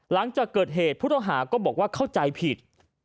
หลังจากเกิดเหตุผู้ต้องหาก็บอกว่าเข้าใจผิด